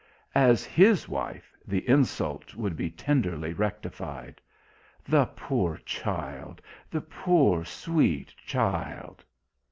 As his wife, the insult should be tenderly rectified.... "The poor child! the poor sweet child!"